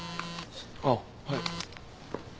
あっはい。